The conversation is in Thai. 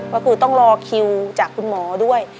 ก็คือต้องรอคิวจากคุณหมอด้วย